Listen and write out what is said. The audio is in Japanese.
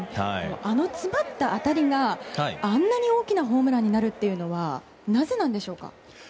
あの詰まった当たりがあんなに大きなホームランになるというのはなぜなんでしょうか？